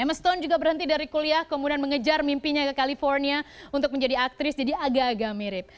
emiston juga berhenti dari kuliah kemudian mengejar mimpinya ke california untuk menjadi aktris jadi agak agak mirip